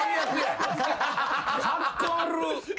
カッコ悪！